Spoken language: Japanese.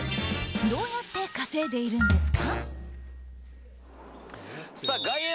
どうやって稼いでいるんですか？